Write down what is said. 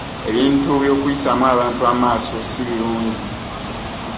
ebintu by'okuyisaamu abantu amaaso si birungi.